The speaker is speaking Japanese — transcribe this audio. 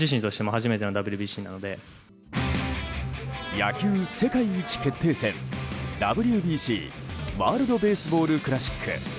野球世界一決定戦ＷＢＣ・ワールド・ベースボール・クラシック。